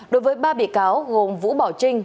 đối với ba bị cáo gồm vũ bảo trinh